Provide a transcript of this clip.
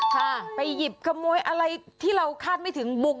ค่ะไปหยิบขโมยอะไรที่เราคาดไม่ถึงบุก